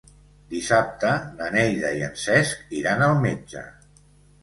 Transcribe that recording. Dissabte na Neida i en Cesc iran al metge.